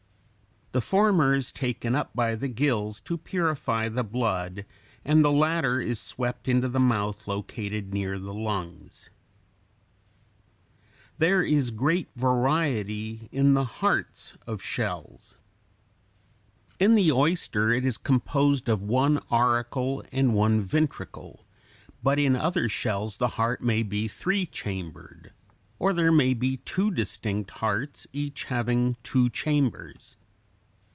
The former is taken up by the gills to purify the blood, and the latter is swept into the mouth located near the lungs. [Illustration: FIG. 82. Cilia or oars of a mollusk, highly magnified.] There is great variety in the hearts of shells. In the oyster (Fig. 79) it is composed of one auricle and one ventricle; but in other shells the heart may be three chambered, or there may be two distinct hearts, each having two chambers.